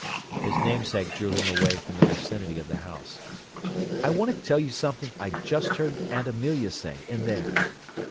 His namesake drew him away from the vicinity of the house. "I want to tell you something I just heard Aunt Amelia say, in there."